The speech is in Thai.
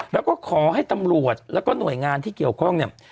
แล้วก็ขอให้ตำรวจแล้วก็หน่วยงานที่เกี่ยวข้องเนี่ย